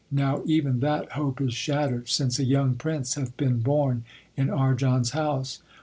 Now even that hope is shattered, since a young prince hath been born in Arjan s house.